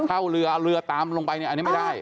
เข้าเรือเอาเรือตามลงไปเนี่ยอันนี้ไม่ได้